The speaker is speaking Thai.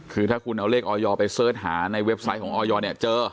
คือถ้าคุณเอาเลขออยไปเสิร์ชหาในเว็บไซต์ของออยเนี่ยเจอ